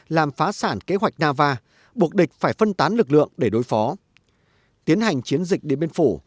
làm phá sản kế hoạch nava buộc địch phải phân tán lực lượng để đối phó tiến hành chiến dịch điện biên phủ